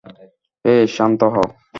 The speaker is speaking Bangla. এই শান্ত হ!